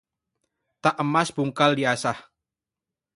Tak emas bungkal diasah